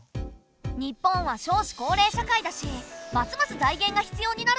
日本は少子高齢社会だしますます財源が必要になると思うよ。